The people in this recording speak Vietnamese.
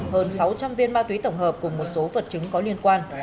hơn sáu trăm linh viên ma túy tổng hợp cùng một số vật chứng có liên quan